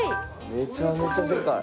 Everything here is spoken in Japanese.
めちゃめちゃでかい。